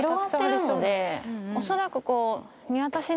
恐らくこう。